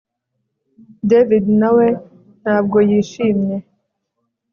David nawe ntabwo yishimye